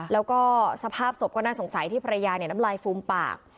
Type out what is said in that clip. แล้วก็สภาพศพก็น่าสงสัยที่ภรรยาน้ำลายฟูมปาก